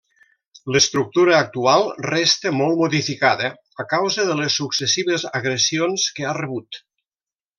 L'estructura actual resta molt modificada a causa de les successives agressions que ha rebut.